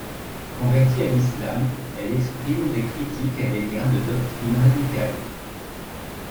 Convertie à l'islam elle exprime des critiques à l'égard de doctrines radicales.